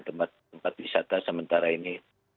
tempat wisata sementara ini